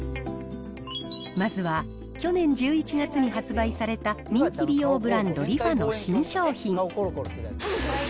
まずは去年１１月に発売された、人気美容ブランド、リファの新商品。